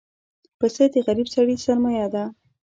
پسه د غریب سړي سرمایه ده.